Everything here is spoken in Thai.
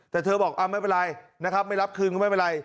แต่เธอบอกไม่เป็นไรนะครับไม่รับคืนก็ไม่เป็นไร